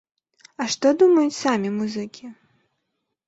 А што думаюць самі музыкі?